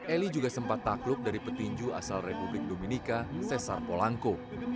eli juga sempat takluk dari petinju asal republik dominika cesar polanco